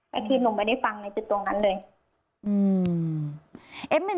แค่ทีนลงไปได้ฟังในจุดตรงนั้นเลย